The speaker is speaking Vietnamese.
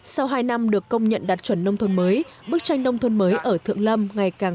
sau hai năm được công nhận đạt chuẩn nông thôn mới bức tranh nông thôn mới ở thượng lâm ngày càng